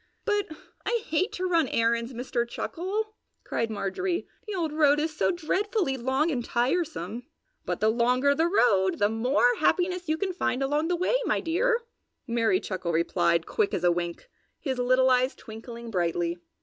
"But I hate to run errands, Mister Chuckle!" cried Marjorie. "The old road is so dreadfully long and tiresome!" "But the longer the road the more happiness you can find along the way, my dear!" Merry Chuckle replied, quick as a wink, his little eyes twinkling brightly.